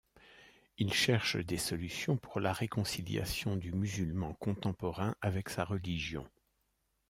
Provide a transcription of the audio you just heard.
Il cherche des solutions pour la réconciliation du musulman contemporain avec sa religion.